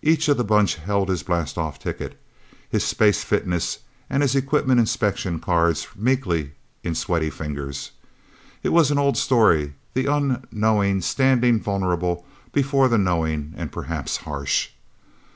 Each of the Bunch held his blastoff ticket, his space fitness and his equipment inspection cards meekly in sweaty fingers. It was an old story the unknowing standing vulnerable before the knowing and perhaps harsh.